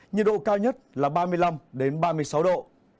nhiệt độ cao nhất là ba mươi năm ba mươi sáu độ